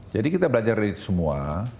jadi kita belajar dari semua